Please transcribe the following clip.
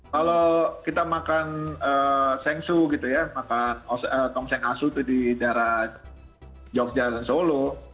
kalau kita makan sengsu gitu ya makan tongseng asu itu di daerah jogja dan solo